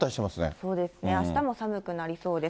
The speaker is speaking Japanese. そうですね、あしたも寒くなりそうです。